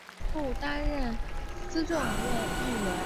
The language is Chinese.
后担任资政院议员。